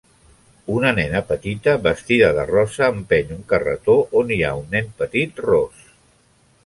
Una nena petita vestida de rosa empeny un carretó on hi ha un nen petit ros.